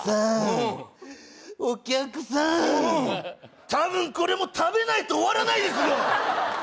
うんうん多分これもう食べないと終わらないですよ！